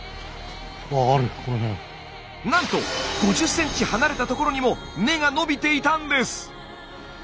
なんと５０ｃｍ離れた所にも根が伸びていたんです！